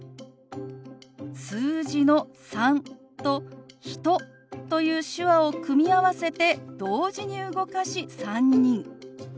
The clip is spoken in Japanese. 数字の「３」と「人」という手話を組み合わせて同時に動かし「３人」。